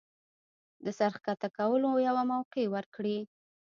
د سر ښکته کولو يوه موقع ورکړي